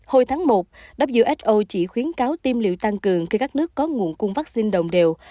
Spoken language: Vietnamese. hồi tháng một who chỉ khuyến cáo tiêm liệu tăng cường khi các nước có nguồn cung vaccine đồng đều